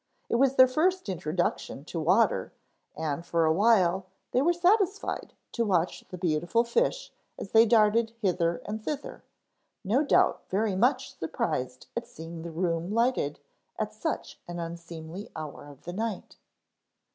It was their first introduction to water and for a while they were satisfied to watch the beautiful fish as they darted hither and thither, no doubt very much surprised at seeing the room lighted at such an unseemly hour of the night.